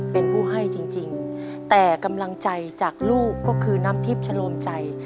เป็นผู้ให้จริงแต่กำลังใจจากลูกก็คือน้ำทิพย์ชะโลมใจ